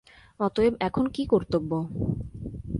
অতএব এখন কী কর্তব্য?